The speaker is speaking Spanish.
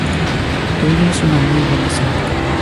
Tuvimos una muy buena cena.